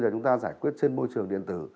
chúng ta giải quyết trên môi trường điện tử